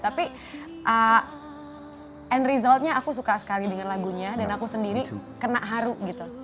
tapi and resultnya aku suka sekali dengan lagunya dan aku sendiri kena haru gitu